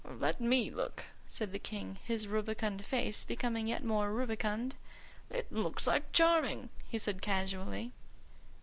"Let me look," said the King, his rubicund face becoming yet more rubicund. "It looks like 'charming,'" he said casually.